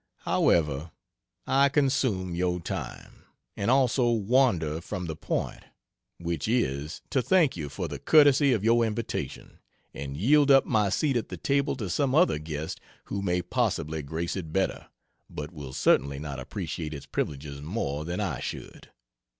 However, I consume your time, and also wander from the point which is, to thank you for the courtesy of your invitation, and yield up my seat at the table to some other guest who may possibly grace it better, but will certainly not appreciate its privileges more, than I should.